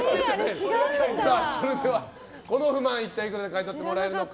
それでは、この不満一体いくらで買い取ってもらえるのか。